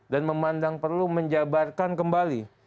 dan memandang perlu menjabarkan kembali